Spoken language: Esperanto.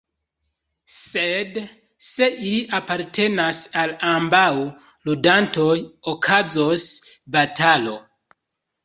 Sed se ili apartenas al ambaŭ ludantoj, okazos batalo.